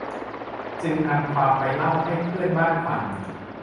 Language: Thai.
จึงนำความไปเล่าให้เพื่อนบ้านฟัง